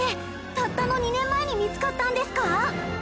たったの２年前に見つかったんですか？